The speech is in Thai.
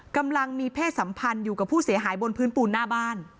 กำลังมีเพศสัมพันธ์อยู่กับผู้เสียหายบนพื้นปูนหน้าบ้าน